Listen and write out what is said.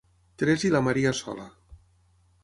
Tres i la Maria sola.